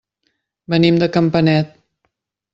Venim de Campanet.